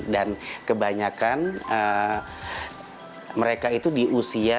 dan kebanyakan mereka itu di usia